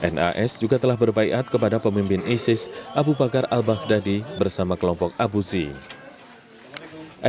nas juga telah berbaikat kepada pemimpin isis abu bakar al baghdadi bersama kelompok abu zi